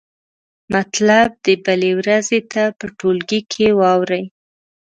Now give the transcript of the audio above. مطلب دې بلې ورځې ته په ټولګي کې واورئ.